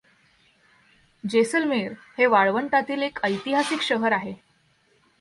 जेसलमेर हे वाळवंटातील एक ऐतिहासिक शहर आहे.